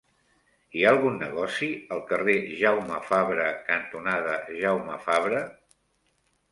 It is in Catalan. Hi ha algun negoci al carrer Jaume Fabre cantonada Jaume Fabre?